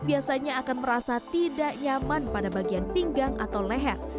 biasanya akan merasa tidak nyaman pada bagian pinggang atau leher